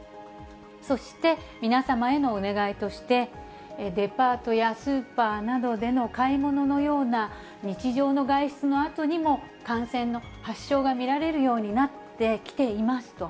そして、皆様へのお願いとして、デパートやスーパーなどでの買い物のような日常の外出のあとにも、感染の発症が見られるようになってきていますと。